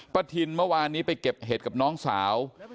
ทินเมื่อวานนี้ไปเก็บเห็ดกับน้องสาว